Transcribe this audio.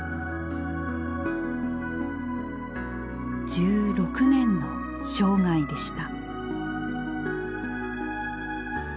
１６年の生涯でした。